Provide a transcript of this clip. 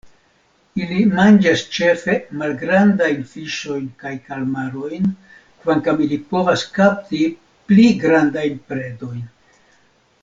Ili manĝas ĉefe malgrandajn fiŝojn kaj kalmarojn, kvankam ili povas kapti pli grandajn predojn.